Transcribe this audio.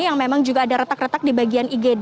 yang memang juga ada retak retak di bagian igd